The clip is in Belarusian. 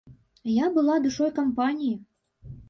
Я была душой кампаніі.